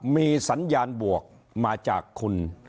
มีสัญญาณบวกมาจากคุณ